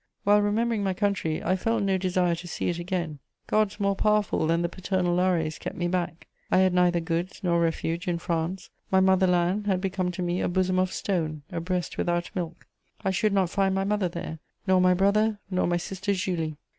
While remembering my country, I felt no desire to see it again; gods more powerful than the paternal lares kept me back; I had neither goods nor refuge in France; my motherland had become to me a bosom of stone, a breast without milk: I should not find my mother there, nor my brother, nor my sister Julie.